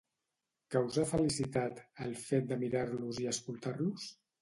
Causa felicitat, el fet de mirar-los i escoltar-los?